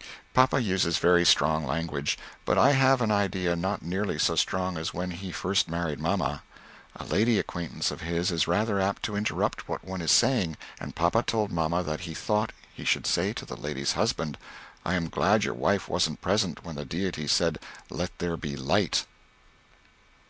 _ Papa uses very strong language, but I have an idea not nearly so strong as when he first maried mamma. A lady acquaintance of his is rather apt to interupt what one is saying, and papa told mamma that he thought he should say to the lady's husband "I am glad your wife wasn't present when the Deity said 'Let there be light.'"